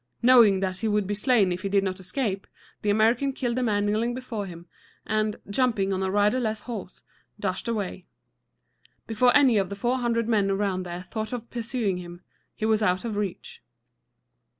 Knowing that he would be slain if he did not escape, the American killed the man kneeling before him, and, jumping on a riderless horse, dashed away. Before any of the four hundred men around there thought of pursuing him, he was out of reach.